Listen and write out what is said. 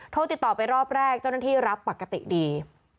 โทรติดต่อไปรอบแรกเจ้าหน้าที่รับปกติดี